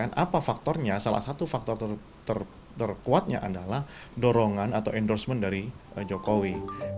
apa faktornya salah satu faktor terkuatnya adalah dorongan atau endorsement dari jokowi